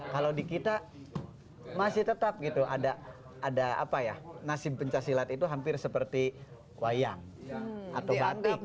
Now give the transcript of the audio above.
kalau di kita masih tetap gitu ada apa ya nasib pencaksilat itu hampir seperti wayang atau batik